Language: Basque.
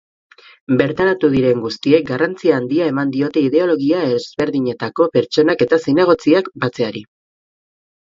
Bertaratu diren guztiek garrantzia handia eman diote ideologia ezberdinetako pertsonak eta zinegotziak batzeari.